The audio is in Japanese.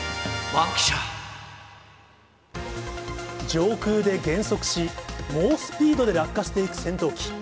上空で減速し、猛スピードで落下していく戦闘機。